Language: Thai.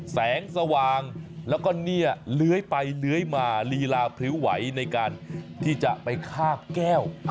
แสงสว่างแล้วก็เนี่ยเลื้อยไปเลื้อยมาลีลาพริ้วไหวในการที่จะไปคาบแก้ว